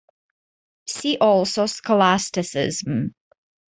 "See also" scholasticism.